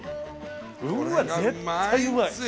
うわ絶対うまい！